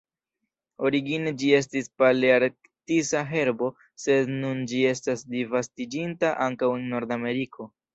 Origine ĝi estis palearktisa herbo sed nun ĝi estas disvastiĝinta ankaŭ en Nordameriko.